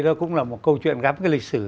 nó cũng là một câu chuyện gắn với lịch sử